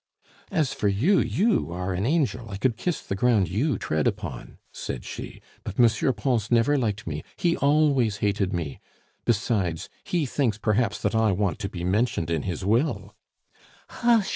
"As for you, you are an angel, I could kiss the ground you tread upon," said she. "But M. Pons never liked me, he always hated me. Besides, he thinks perhaps that I want to be mentioned in his will " "Hush!